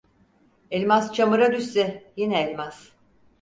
Elmas çamura düşse yine elmas.